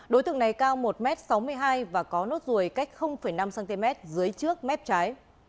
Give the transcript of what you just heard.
đối tượng này cao một m sáu mươi hai và có nốt ruồi cách năm cm dưới trước mép trái